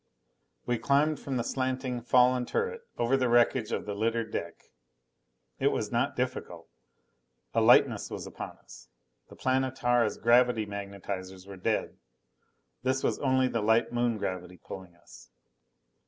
We climbed from the slanting, fallen turret, over the wreckage of the littered deck. It was not difficult. A lightness was upon us. The Planetara's gravity magnetizers were dead; this was only the light Moon gravity pulling us.